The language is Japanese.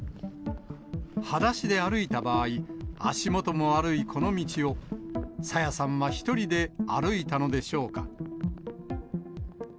はだしで歩いた場合、足元も悪いこの道を、朝芽さんは１人で歩いたのでしょうか。